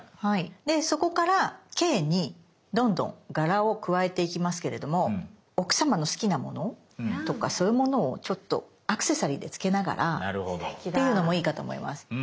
でそこから「Ｋ」にどんどん柄を加えていきますけれども奥様の好きなものとかそういうものをちょっとアクセサリーでつけながらっていうのもいいかと思います。